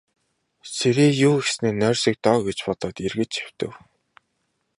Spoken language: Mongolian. Сэрээе юү гэснээ нойрсог доо гэж бодоод эргэж хэвтэв.